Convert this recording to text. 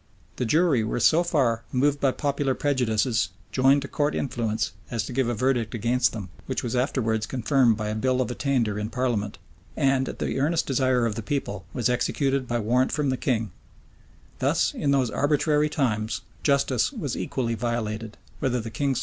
The jury were so far moved by popular prejudices, joined to court influence, as to give a verdict against them; which was afterwards confirmed by a bill of attainder in parliament,[] and, at the earnest desire of the people, was executed by warrant from the king, Thus, in those arbitrary times, justice was equally violated, whether the king sought power and riches, or courted popularity.